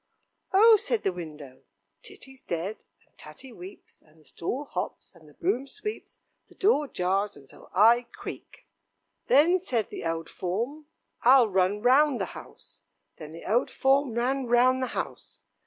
"Oh!" said the window, "Titty's dead, and Tatty weeps, and the stool hops, and the broom sweeps, the door jars, and so I creak." "Then," said the old form, "I'll run round the house." Then the old form ran round the house.